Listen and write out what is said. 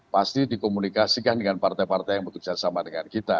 pasti dikomunikasikan dengan partai partai yang bekerja sama dengan kita